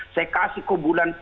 saya kasih kau bulan